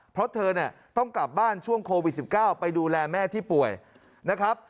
เพราะเธอเนี่ยต้องกลับบ้านช่วงโควิด๑๙ไปดูแลแม่ที่ป่วยนะครับ